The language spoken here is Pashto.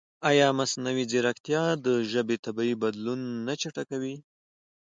ایا مصنوعي ځیرکتیا د ژبې طبیعي بدلون نه چټکوي؟